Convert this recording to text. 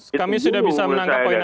jadi kami sudah bisa menangkap poin anda